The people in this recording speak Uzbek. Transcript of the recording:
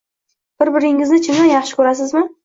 Bir-biringizni chindan yaxshi ko`rasizmi